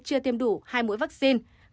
chưa thêm đủ hai mũi vaccine